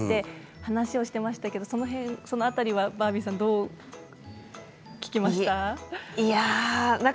話をしていましたけれどもその辺り、バービーさんどうですか。